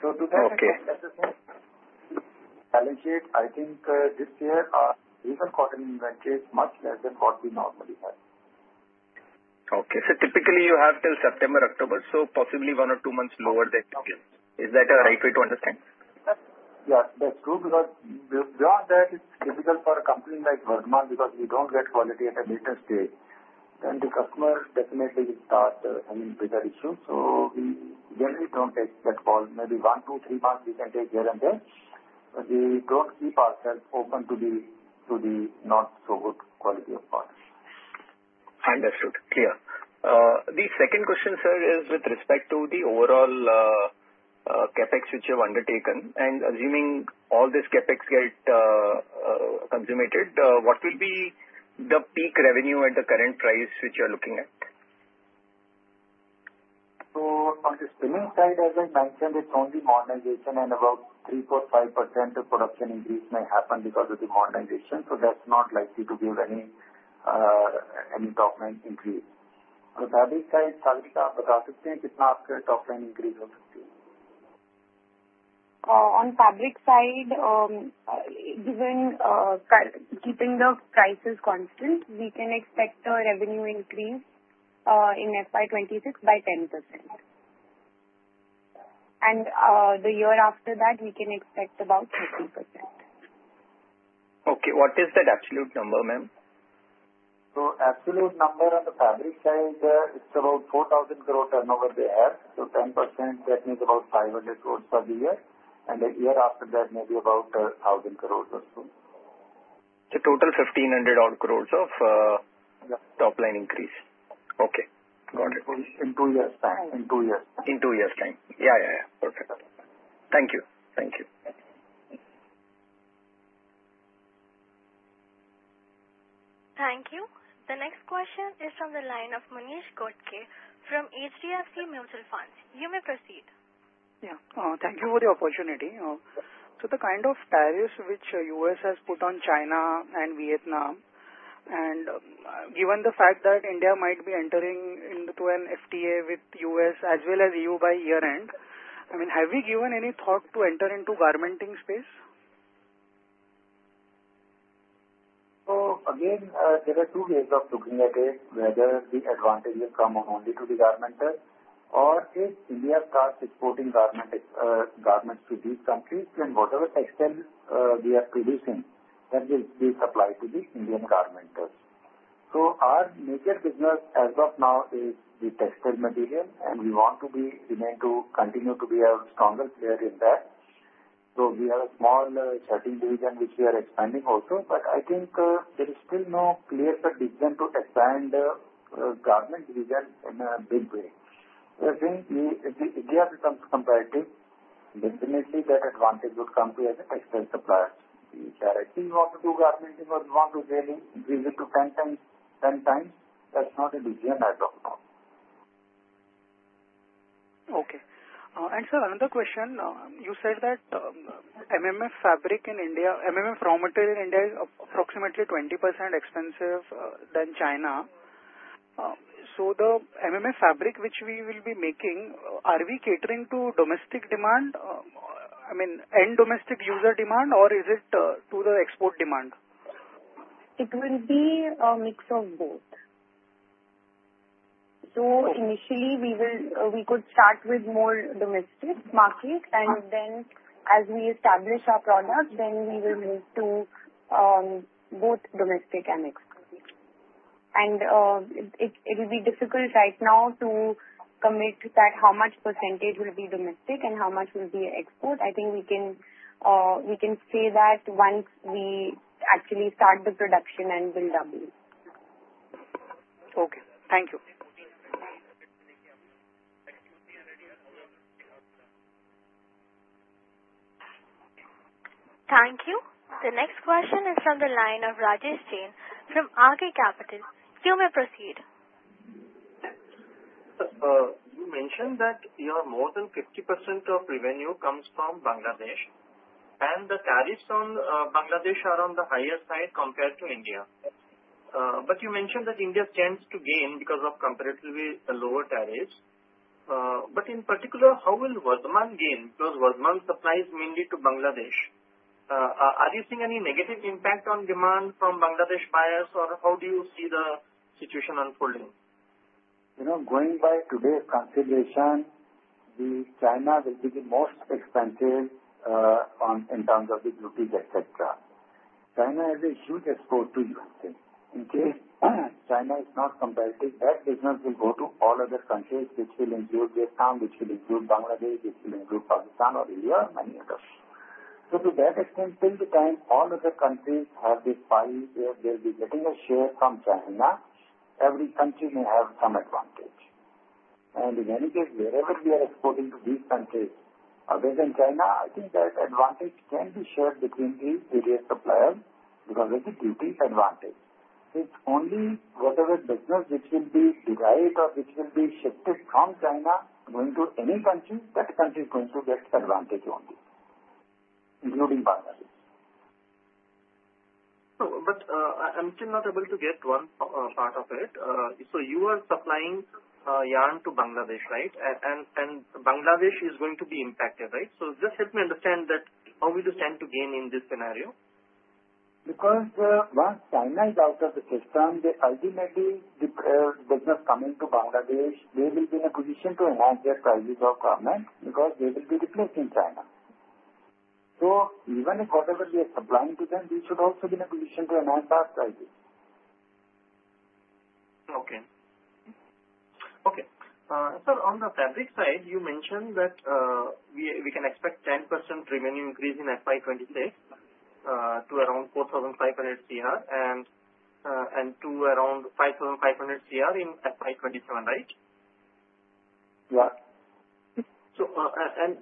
[SPEAKER 3] So to that, as I said, balance sheet, I think this year. Even cotton inventories much less than what we normally have.
[SPEAKER 9] Okay. So typically, you have till September, October, so possibly one or two months lower than usual. Is that a right way to understand?
[SPEAKER 3] Yes. That's true because beyond that, it's difficult for a company like Vardhman because we don't get quality at a later stage. Then the customer definitely will start having bigger issues. So we generally don't take that call. Maybe one, two, three months we can take here and there. But we don't keep ourselves open to the not-so-good quality of cotton.
[SPEAKER 9] Understood. Clear. The second question, sir, is with respect to the overall CAPEX which you have undertaken. And assuming all this CAPEX gets consummated, what will be the peak revenue at the current price which you are looking at?
[SPEAKER 3] So on the spinning side, as I mentioned, it's only modernization, and about 3%-5% production increase may happen because of the modernization. So that's not likely to give any top-line increase. On the fabric side, Sagarika, you can tell me how much top-line increase can happen?
[SPEAKER 4] On fabric side, given keeping the prices constant, we can expect a revenue increase in FY26 by 10%. And the year after that, we can expect about 30%.
[SPEAKER 9] Okay. What is that absolute number, ma'am?
[SPEAKER 3] So the absolute number on the fabric side, it's about 4,000 crore turnover they have. So 10%, that means about 500 crores per year. And the year after that, maybe about 1,000 crores or so.
[SPEAKER 9] So total 1,500 crores of top-line increase. Okay. Got it.
[SPEAKER 3] In two years' time. In two years' time.
[SPEAKER 9] Yeah, yeah, yeah. Perfect. Thank you. Thank you.
[SPEAKER 1] Thank you. The next question is from the line of Manish Godke from HDFC Mutual Funds. You may proceed.
[SPEAKER 11] Yeah. Thank you for the opportunity. So the kind of tariffs which the U.S. has put on China and Vietnam, and given the fact that India might be entering into an FTA with the U.S. as well as E.U. by year-end, I mean, have you given any thought to enter into the garments space?
[SPEAKER 3] So again, there are two ways of looking at it, whether the advantages come only to the garmenters or if India starts exporting garments to these countries, then whatever textile we are producing, that will be supplied to the Indian garmenters. So our major business as of now is the textile material, and we want to continue to be a stronger player in that. So we have a small shirting division which we are expanding also, but I think there is still no clear-cut decision to expand the garment division in a big way. So I think if India becomes competitive, definitely that advantage would come to us as textile suppliers. We directly want to do garmenting, or we want to increase it to 10 times. That's not a decision as of now.
[SPEAKER 11] Okay. And sir, another question. You said that MMF fabric in India, MMF raw material in India is approximately 20% expensive than China. So the MMF fabric which we will be making, are we catering to domestic demand, I mean, end domestic user demand, or is it to the export demand?
[SPEAKER 4] It will be a mix of both. So initially, we could start with more domestic market, and then as we establish our products, then we will move to both domestic and export. And it will be difficult right now to commit that how much percentage will be domestic and how much will be export. I think we can say that once we actually start the production and build up.
[SPEAKER 11] Okay. Thank you.
[SPEAKER 1] Thank you. The next question is from the line of Rajesh Jain from R.K. Capital. You may proceed.
[SPEAKER 5] You mentioned that more than 50% of revenue comes from Bangladesh, and the tariffs on Bangladesh are on the higher side compared to India. But you mentioned that India tends to gain because of comparatively lower tariffs. But in particular, how will Vardhman gain? Because Vardhman supplies mainly to Bangladesh. Are you seeing any negative impact on demand from Bangladesh buyers, or how do you see the situation unfolding?
[SPEAKER 3] Going by today's consideration, China will be the most expensive in terms of the duties, etc. China is a huge exporter to USA. In case China is not competitive, that business will go to all other countries, which will include Vietnam, which will include Bangladesh, which will include Pakistan, or India, or many others, so to that extent, till the time all other countries have the slice, they'll be getting a share from China. Every country may have some advantage, and in any case, wherever we are exporting to these countries other than China, I think that advantage can be shared between these various suppliers because of the duties advantage. It's only whatever business which will be derived or which will be shifted from China going to any country, that country is going to get advantage only, including Bangladesh.
[SPEAKER 5] But I'm still not able to get one part of it. So you are supplying yarn to Bangladesh, right? And Bangladesh is going to be impacted, right? So just help me understand that how will you tend to gain in this scenario?
[SPEAKER 3] Because once China is out of the system, ultimately, the business coming to Bangladesh, they will be in a position to enhance their prices of garments because they will be replacing China. So even if whatever we are supplying to them, we should also be in a position to enhance our prices.
[SPEAKER 9] On the fabric side, you mentioned that we can expect 10% revenue increase in FY26 to around 4,500 C and to around 5,500 CR in FY27, right?
[SPEAKER 3] Yeah.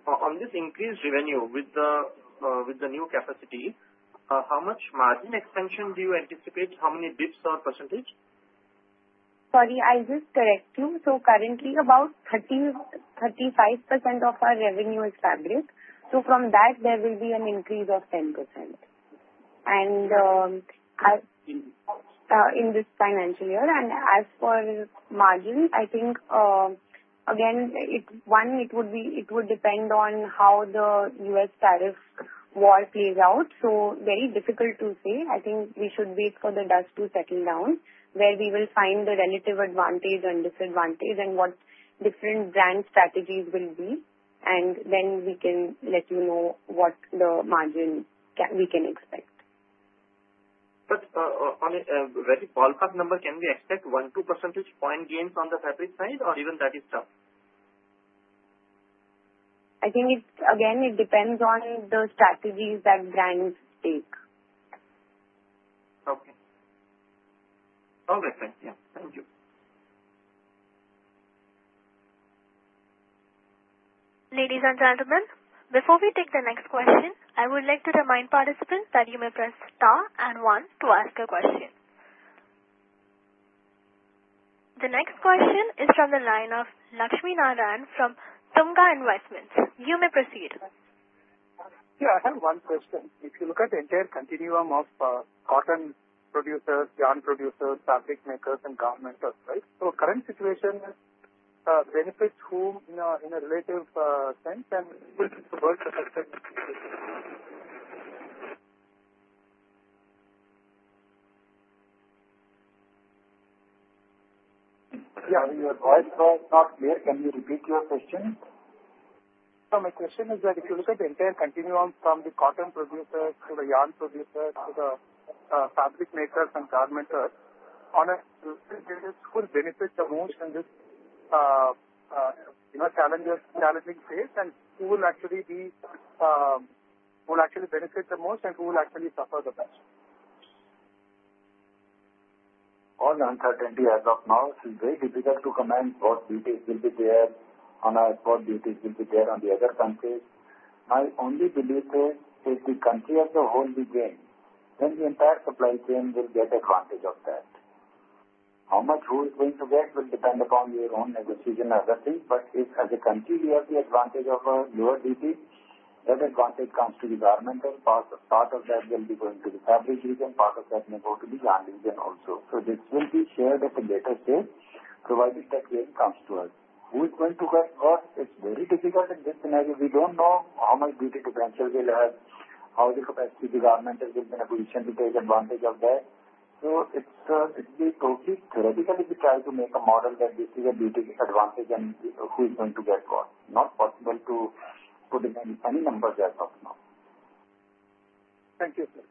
[SPEAKER 9] On this increased revenue with the new capacity, how much margin expansion do you anticipate? How many basis points or percentage?
[SPEAKER 4] Sorry, I'll just correct you. So currently, about 35% of our revenue is fabric. So from that, there will be an increase of 10% in this financial year. And as for margins, I think, again, one, it would depend on how the U.S. tariff war plays out. So very difficult to say. I think we should wait for the dust to settle down, where we will find the relative advantage and disadvantage and what different brand strategies will be. And then we can let you know what the margin we can expect.
[SPEAKER 11] But on a very ballpark number, can we expect one, two percentage point gains on the fabric side, or even that is tough?
[SPEAKER 4] I think, again, it depends on the strategies that brands take.
[SPEAKER 11] Okay. All right then. Yeah. Thank you.
[SPEAKER 1] Ladies and gentlemen, before we take the next question, I would like to remind participants that you may press star and one to ask a question. The next question is from the line of Lakshmi Narayan from Tunga Investments. You may proceed.
[SPEAKER 12] Yeah. I have one question. If you look at the entire continuum of cotton producers, yarn producers, fabric makers, and garmenters, right, so current situation benefits whom in a relative sense and world perspective?
[SPEAKER 3] Yeah. Your voice was not clear. Can you repeat your question?
[SPEAKER 12] So my question is that if you look at the entire continuum from the cotton producers to the yarn producers to the fabric makers and garmenters, who will benefit the most in this challenging phase, and who will actually benefit the most and who will actually suffer the most?
[SPEAKER 3] All uncertainty as of now, it's very difficult to comment what duties will be there on our export duties will be there on the other countries. My only belief is if the country as a whole will gain, then the entire supply chain will get advantage of that. How much who is going to get will depend upon your own negotiation and other things, but if as a country, we have the advantage of a lower duty, that advantage comes to the garmenters. Part of that will be going to the fabric region. Part of that may go to the yarn region also, so this will be shared at a later stage provided that gain comes to us. Who is going to get what? It's very difficult in this scenario. We don't know how much duty differential will have, how the capacity of the garmenters will be in a position to take advantage of that. So it will be totally theoretical if you try to make a model that this is a duty advantage and who is going to get what. Not possible to put it in any numbers as of now.
[SPEAKER 12] Thank you, sir.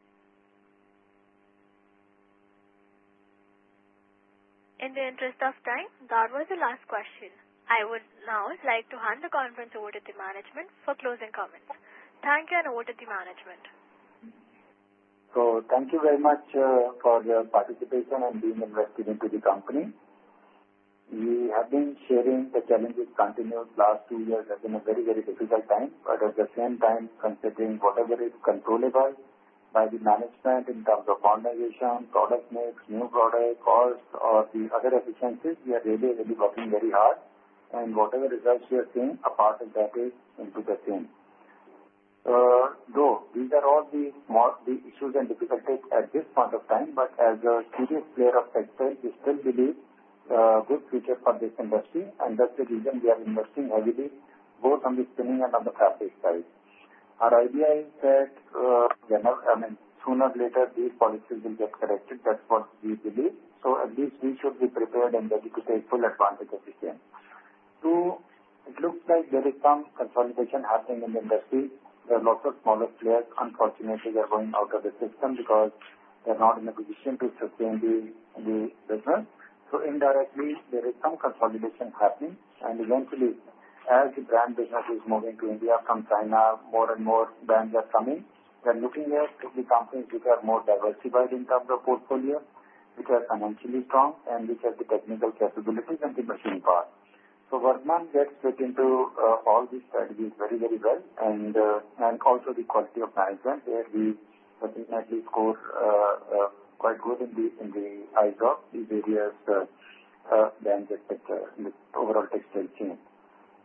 [SPEAKER 1] In the interest of time, that was the last question. I would now like to hand the conference over to the management for closing comments. Thank you, and over to the management.
[SPEAKER 3] So thank you very much for your participation and being invested into the company. We have been sharing the challenges continuously the last two years as in a very, very difficult time. But at the same time, considering whatever is controllable by the management in terms of modernization, product mix, new product, cost, or the other efficiencies, we are really, really working very hard. And whatever results we are seeing, a part of that is into the team. So though these are all the issues and difficulties at this point of time, but as a serious player of textiles, we still believe a good future for this industry. And that's the reason we are investing heavily both on the spinning and on the fabric side. Our idea is that, I mean, sooner or later, these policies will get corrected. That's what we believe. So at least we should be prepared and ready to take full advantage of the game. So it looks like there is some consolidation happening in the industry. There are lots of smaller players, unfortunately, that are going out of the system because they're not in a position to sustain the business. So indirectly, there is some consolidation happening. And eventually, as the brand business is moving to India from China, more and more brands are coming. We are looking at the companies which are more diversified in terms of portfolio, which are financially strong, and which have the technical capabilities and the machine part. So Vardhman gets fit into all these strategies very, very well. And also the quality of management, where we definitely score quite good in the eyes of these various brands in the overall textile chain.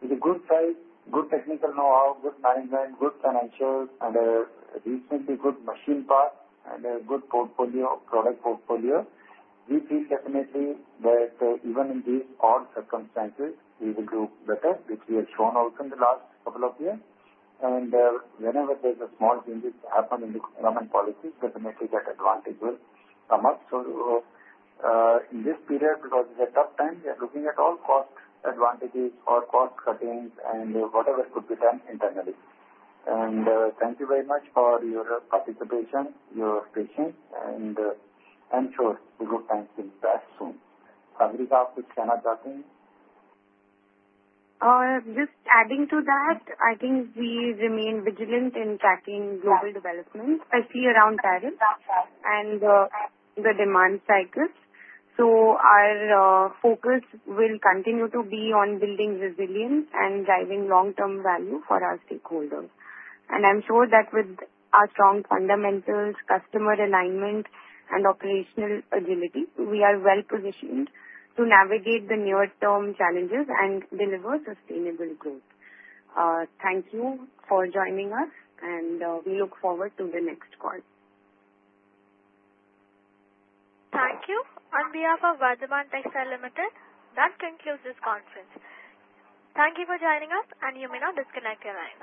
[SPEAKER 3] With a good size, good technical know-how, good management, good financials, and a reasonably good machine park, and a good product portfolio, we feel definitely that even in these odd circumstances, we will do better, which we have shown also in the last couple of years, and whenever there's a small change that happens in the government policies, definitely that advantage will come up, so in this period, because it's a tough time, we are looking at all cost advantages or cost cuttings and whatever could be done internally, and thank you very much for your participation, your patience, and I'm sure bad times will pass soon. Sabriza of China, talking.
[SPEAKER 4] Just adding to that, I think we remain vigilant in tracking global development, especially around tariffs and the demand cycles. So our focus will continue to be on building resilience and driving long-term value for our stakeholders. And I'm sure that with our strong fundamentals, customer alignment, and operational agility, we are well-positioned to navigate the near-term challenges and deliver sustainable growth. Thank you for joining us, and we look forward to the next call.
[SPEAKER 1] Thank you. On behalf of Vardhman Textiles Limited, that concludes this conference. Thank you for joining us, and you may now disconnect your line.